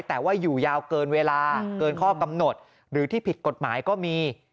แต่ว่าอยู่ยาวเกินเวลาเกินข้อกำหนดหรือที่ผิดกฎหมายก็มี